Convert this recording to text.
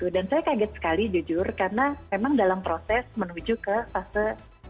dan saya kaget sekali jujur karena memang dalam proses menuju ke fase tiga